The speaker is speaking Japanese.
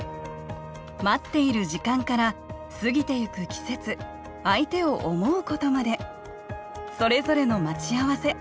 待っている時間から過ぎていく季節相手を思うことまでそれぞれの「待ち合わせ」